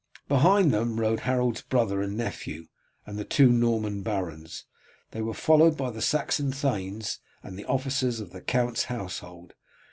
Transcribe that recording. Behind them rode Harold's brother and nephew and the two Norman barons; they were followed by the Saxon thanes and the officers of the count's household.